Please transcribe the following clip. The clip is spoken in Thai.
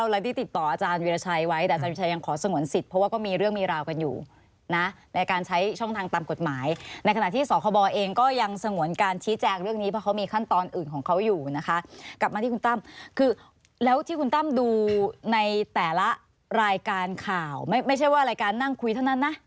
ไม่ใช่ว่ารายการนั่งคุยเท่านั้นนะ